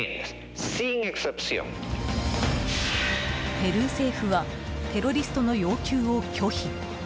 ペルー政府はテロリストの要求を拒否。